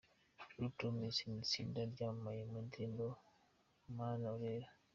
True Promises ni itsinda ryamamaye mu ndirimbo 'Mana urera'.